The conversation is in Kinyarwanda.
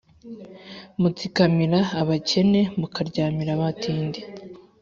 mutsikamira abakene, mukaryamira abatindi,